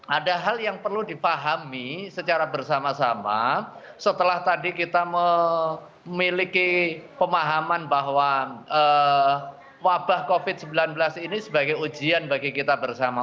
ada hal yang perlu dipahami secara bersama sama setelah tadi kita memiliki pemahaman bahwa wabah covid sembilan belas ini sebagai ujian bagi kita bersama